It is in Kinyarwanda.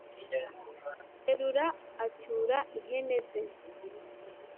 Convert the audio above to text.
terura acyura ihene ze,